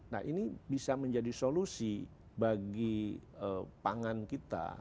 nah ini bisa menjadi solusi bagi pangan kita